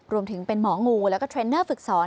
รวมถึงเป็นหมองูแล้วก็เทรนเนอร์ฝึกสอน